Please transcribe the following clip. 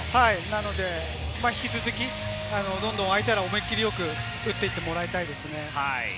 引き続き、どんどんあいたら思い切りよく打っていってもらいたいですね。